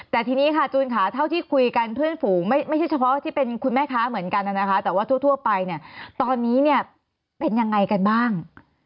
แต่ทีนี้ค่ะจูนค่ะเท่าที่คุยกันเพื่อนฝูงไม่ใช่เฉพาะที่เป็นคุณแม่ค้าเหมือนกันนะคะแต่ว่าทั่วไปเนี่ยตอนนี้เนี่ยเป็นยังไงกันบ้าง